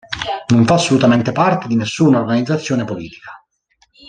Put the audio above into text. Non fa assolutamente parte di nessuna organizzazione politica.